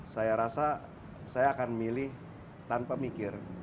saya rasa saya akan milih tanpa mikir